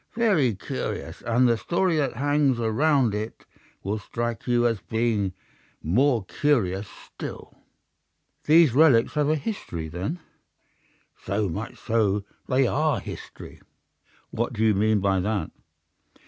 "Very curious, and the story that hangs round it will strike you as being more curious still." "These relics have a history then?" "So much so that they are history." "What do you mean by that?"